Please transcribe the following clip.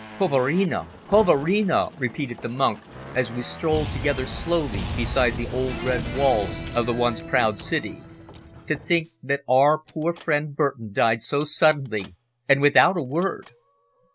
"Poverino! Poverino!" repeated the monk as we strolled together slowly beside the old red walls of the once proud city. "To think that our poor friend Burton died so suddenly and without a word!"